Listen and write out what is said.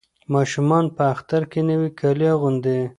ماشومان په اختر کې نوي کالي اغوندي.